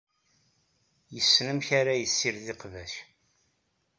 Yessen amek ara yessired iqbac.